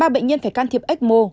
ba bệnh nhân phải can thiệp ecmo